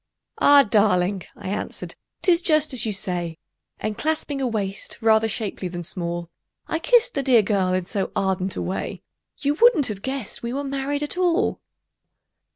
"Ah! darling," I answered, "'tis just as you say;" And clasping a waist rather shapely than small, I kissed the dear girl in so ardent a way You wouldn't have guessed we were married at all!